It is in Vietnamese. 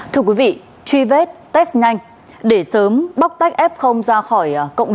thưa quý vị truy vết test nhanh để sớm bóc tách f ra khỏi